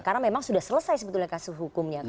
karena memang sudah selesai sebetulnya kasus hukumnya